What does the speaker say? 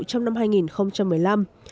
trong năm hai nghìn một mươi năm